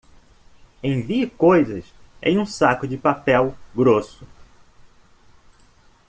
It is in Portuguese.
Envie coisas em um saco de papel grosso.